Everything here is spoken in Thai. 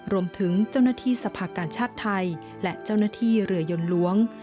รวมถึงเจ้าหน้าที่สภาการชาติไทยและเจ้าหน้าที่เรือยนล้วง